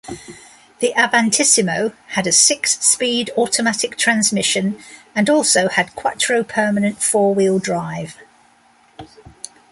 The Avantissimo had a six-speed automatic transmission and also had quattro permanent four-wheel drive.